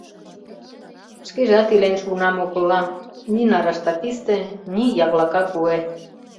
Шкежат илен шуынам огыла: ни нарашта писте, ни яклака куэ.